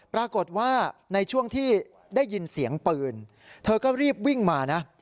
ปรากฏว่าในช่วงที่ได้ยินเสียงปืนเธอก็รีบวิ่งมานะ